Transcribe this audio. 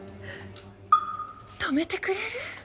止めてくれる？